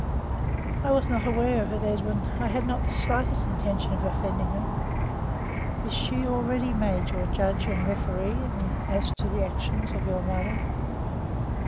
"I am not aware of it, Edwin; I had not the slightest intention of offending her. Is she already made your judge and referee as to the actions of your mother?"